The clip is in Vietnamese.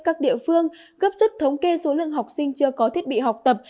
các địa phương gấp rút thống kê số lượng học sinh chưa có thiết bị học tập